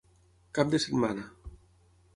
Cap de setmana.